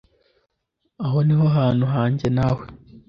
aho niho hantu hanjye nawe!